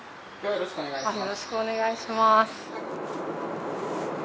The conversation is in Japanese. よろしくお願いします。